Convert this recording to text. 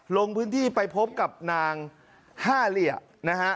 ลงพื้นที่ไปพบกับนางห้าเหลี่ยนะฮะ